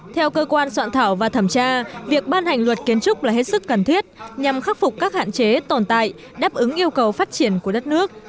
theo cơ quan soạn thảo và thẩm tra việc ban hành luật kiến trúc là hết sức cần thiết nhằm khắc phục các hạn chế tồn tại đáp ứng yêu cầu phát triển của đất nước